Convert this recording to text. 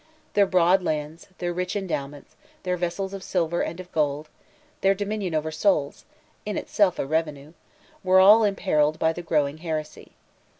Their broad lands, their rich endowments, their vessels of silver and of gold, their dominion over souls, in itself a revenue, were all imperiled by the growing heresy.